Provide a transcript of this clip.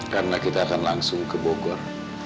karena kita akan langsung ke bogor